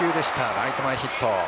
ライト前ヒット。